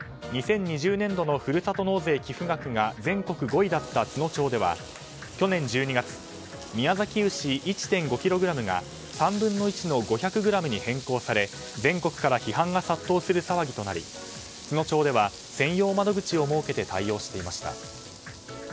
２０２０年度のふるさと納税寄付額が全国５位だった都農町では去年１２月宮崎牛１．５ｋｇが３分の１の５００ｇに変更され全国から批判が殺到する騒ぎとなり都農町では専用窓口を設けて対応していました。